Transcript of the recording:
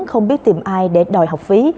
không biết tìm ai để đòi học phí